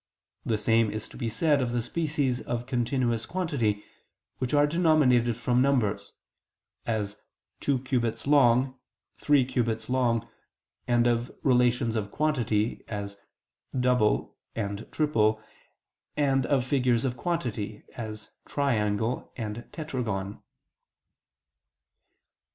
The same is to be said of the species of continuous quantity, which are denominated from numbers, as two cubits long, three cubits long, and of relations of quantity, as double and treble, and of figures of quantity, as triangle and tetragon.